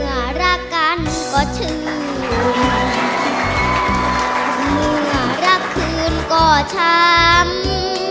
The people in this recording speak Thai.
รักกันก็ชื่นเมื่อรักคืนก็ช้ำ